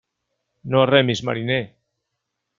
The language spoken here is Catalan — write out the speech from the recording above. No remis, mariner.